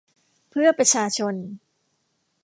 เพื่อประชาชน